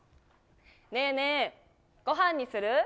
ねえねえ、ごはんにする？